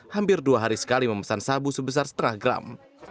hampir dua hari sekali memesan sabu sebesar setengah gram